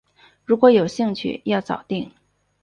如果有兴趣要早定